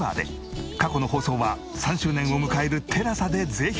過去の放送は３周年を迎えるＴＥＬＡＳＡでぜひ！